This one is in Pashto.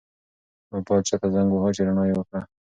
موبایل چا ته زنګ واهه چې رڼا یې وکړه؟